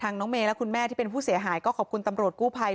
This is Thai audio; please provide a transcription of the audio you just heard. น้องเมย์และคุณแม่ที่เป็นผู้เสียหายก็ขอบคุณตำรวจกู้ภัย